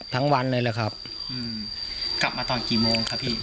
ทั้งวันเลยแหละครับกลับมาตอนกี่โมงครับพี่